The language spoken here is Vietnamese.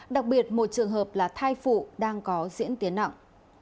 đặc biệt một trường hợp là thai phụ đang có diễn tiến nặng